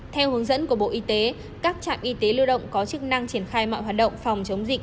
theo hướng dẫn của bộ y tế các trạm y tế lưu động có chức năng triển khai mọi hoạt động phòng chống dịch